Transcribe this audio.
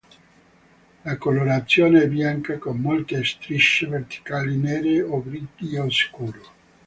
La colorazione è bianca con molte strisce verticali nere o grigio scuro.